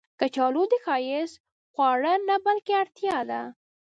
کچالو د ښایست خواړه نه، بلکې اړتیا ده